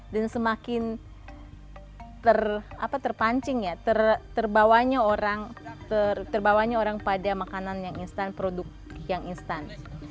dan semakin terpancing ya terbawanya orang pada makanan yang instan produk yang instan